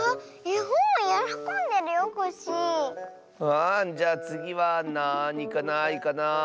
わあじゃあつぎはなにかないかなあ。